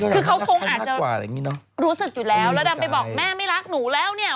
คือเขาคงอาจจะรู้สึกอยู่แล้วแล้วดำไปบอกแม่ไม่รักหนูแล้วเนี่ย